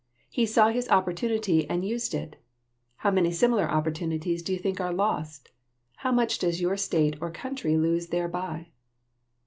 He saw his opportunity and used it. How many similar opportunities do you think are lost? How much does your state or country lose thereby?